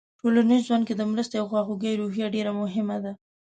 ټولنیز ژوند کې د مرستې او خواخوږۍ روحیه ډېره مهمه ده.